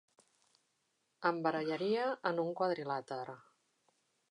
Em barallaria en un quadrilàter.